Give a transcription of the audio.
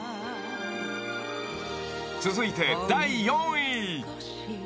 ［続いて第４位］